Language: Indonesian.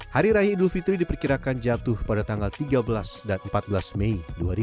hari raya idul fitri diperkirakan jatuh pada tanggal tiga belas dan empat belas mei dua ribu dua puluh